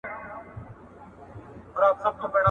قيامت به کله سي، چي د زوى او مور اکله سي.